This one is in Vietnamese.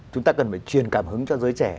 chúng ta cần phải truyền cảm hứng cho giới trẻ